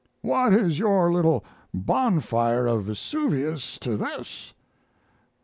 "What is your little bonfire of Vesuvius to this?"